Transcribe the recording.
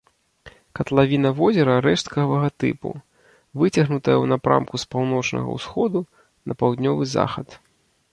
Катлавіна возера рэшткавага тыпу, выцягнутая ў напрамку з паўночнага ўсходу на паўднёвы захад.